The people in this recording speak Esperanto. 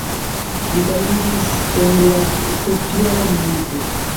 Li famiĝis en la sepjara milito.